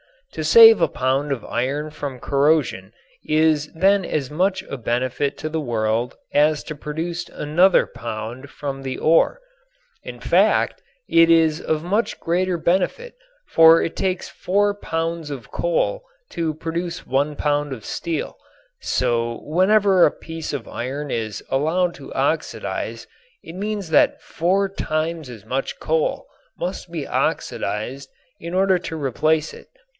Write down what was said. To save a pound of iron from corrosion is then as much a benefit to the world as to produce another pound from the ore. In fact it is of much greater benefit, for it takes four pounds of coal to produce one pound of steel, so whenever a piece of iron is allowed to oxidize it means that four times as much coal must be oxidized in order to replace it.